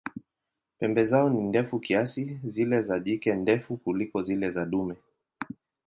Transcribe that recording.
Pembe zao ni ndefu kiasi, zile za jike ndefu kuliko zile za dume.